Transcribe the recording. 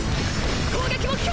攻撃目標